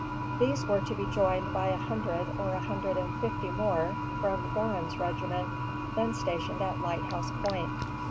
_] These were to be joined by a hundred or a hundred and fifty more from Gorham's regiment, then stationed at Lighthouse Point.